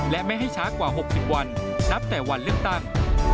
และไม่ให้ช้ากว่า๖๐วันนับแต่วันเลือกตั้ง